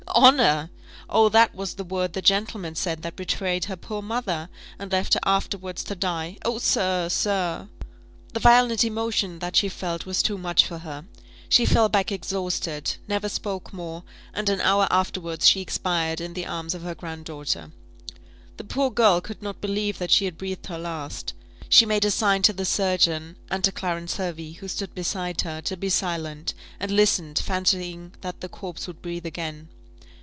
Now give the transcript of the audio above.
"Honour! Oh, that was the word the gentleman said that betrayed her poor mother, and left her afterwards to die.' Oh, sir, sir " The violent emotion that she felt was too much for her she fell back exhausted never spoke more and an hour afterwards she expired in the arms of her grand daughter. The poor girl could not believe that she had breathed her last. She made a sign to the surgeon, and to Clarence Hervey, who stood beside her, to be silent; and listened, fancying that the corpse would breathe again.